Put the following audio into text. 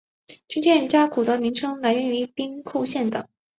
军舰加古的名称来源于兵库县的。